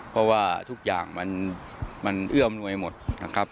เพราะว่าทุกอย่างมันเอื้อมนวยหมดนะครับ